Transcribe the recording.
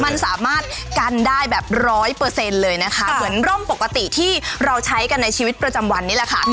มันสามารถกันได้แบบร้อยเปอร์เซ็นต์เลยนะคะเหมือนร่มปกติที่เราใช้กันในชีวิตประจำวันนี้แหละค่ะ